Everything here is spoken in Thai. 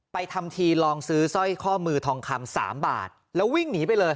ทำทีลองซื้อสร้อยข้อมือทองคำสามบาทแล้ววิ่งหนีไปเลย